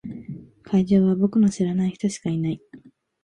会場は僕の知らない人しかいない。